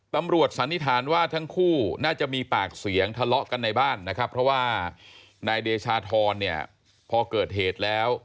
สันนิษฐานว่าทั้งคู่น่าจะมีปากเสียงทะเลาะกันในบ้านนะครับเพราะว่านายเดชาธรเนี่ยพอเกิดเหตุแล้ว